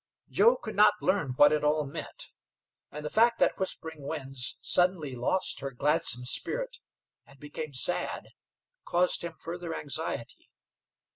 Joe could not learn what it all meant, and the fact that Whispering Winds suddenly lost her gladsome spirit and became sad caused him further anxiety.